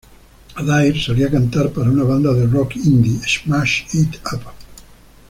Adair solía cantar para una banda de rock indie, Smash It Up.